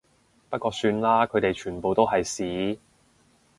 不過算啦，佢哋全部都係屎